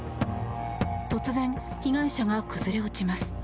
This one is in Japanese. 突然、被害者が崩れ落ちます。